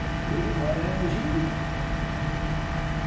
"Beauty, what ails you?" he asked.